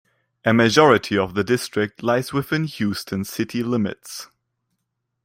A majority of the district lies within Houston city limits.